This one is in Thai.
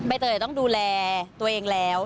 เตยต้องดูแลตัวเองแล้ว